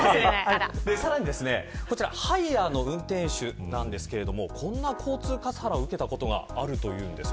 さらにハイヤーの運転手ですがこんな交通カスハラを受けたことがあるというんです。